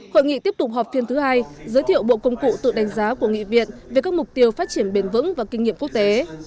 hội nghị tiếp tục họp phiên thứ hai giới thiệu bộ công cụ tự đánh giá của nghị viện về các mục tiêu phát triển bền vững và kinh nghiệm quốc tế